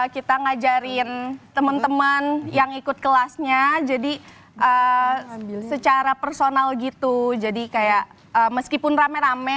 kita ngajarin teman teman yang ikut kelasnya jadi secara personal gitu jadi kayak meskipun rame rame